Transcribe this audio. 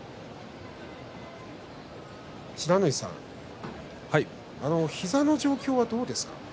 不知火さん膝の状況はどうですか？